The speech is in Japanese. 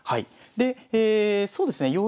でえそうですね